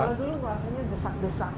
kalau dulu bahasanya desak desak